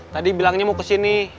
tadi bilangnya mau kesini